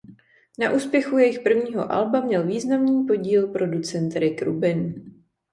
Na úspěchu jejich prvního alba měl významný podíl producent Rick Rubin.